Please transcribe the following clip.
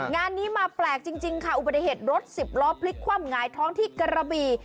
งานนี้มาแปลกจริงค่ะอุบัติเหตุรถสิบล้อพลิกคว่ำหงายท้องที่กระบี